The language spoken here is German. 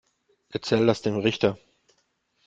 Erzähl das dem Richter.